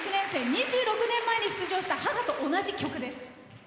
２６年前に出場した母と同じ曲です。